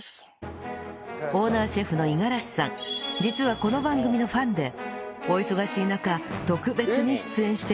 オーナーシェフの五十嵐さん実はこの番組のファンでお忙しい中特別に出演してくださいました